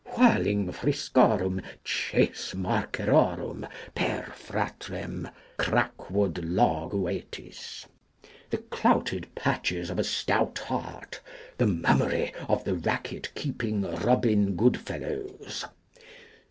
Whirlingfriskorum Chasemarkerorum per Fratrem Crackwoodloguetis. The Clouted Patches of a Stout Heart. The Mummery of the Racket keeping Robin goodfellows.